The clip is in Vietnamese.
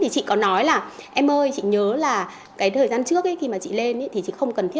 chị có nói là em ơi chị nhớ là cái thời gian trước khi mà chị lên thì chị không cần thiết